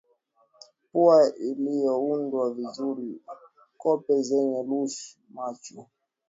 pua iliyoundwa vizuri kope zenye lush macho